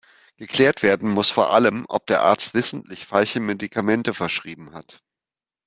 Geklärt werden muss vor allem, ob der Arzt wissentlich falsche Medikamente verschrieben hat.